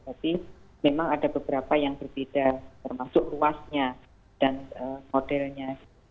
tapi memang ada beberapa yang berbeda termasuk ruasnya dan modelnya